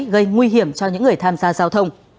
gây nguy hiểm cho những người tham gia giao thông